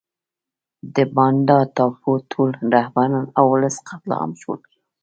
د بانډا ټاپو ټول رهبران او ولس قتل عام شول.